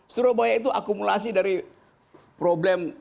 surabaya itu akumulasi dari problem surabaya itu